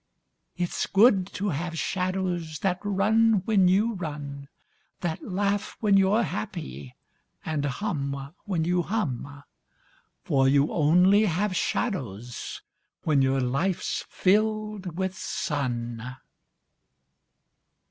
It's good to have shadows That run when you run, That laugh when you're happy And hum when you hum For you only have shadows When your life's filled with sun.